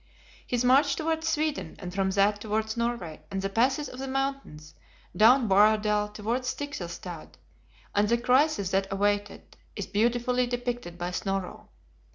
His march towards Sweden, and from that towards Norway and the passes of the mountains, down Vaerdal, towards Stickelstad, and the crisis that awaited, is beautifully depicted by Snorro.